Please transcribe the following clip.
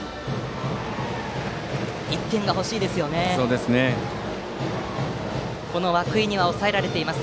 １点が欲しいところですがこの涌井には抑えられています。